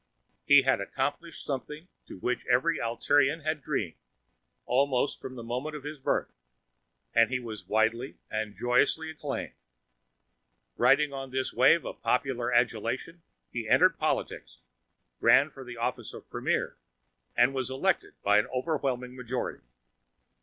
He had accomplished something of which every Altairian had dreamed, almost from the moment of his birth, and he was widely and joyously acclaimed. Riding on this wave of popular adulation, he entered politics, ran for the office of Premier, and was elected by an overwhelming majority.